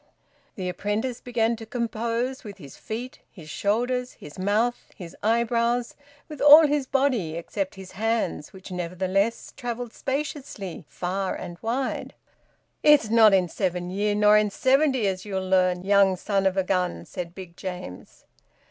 The apprentice began to compose with his feet, his shoulders, his mouth, his eyebrows with all his body except his hands, which nevertheless travelled spaciously far and wide. "It's not in seven year, nor in seventy, as you'll learn, young son of a gun!" said Big James.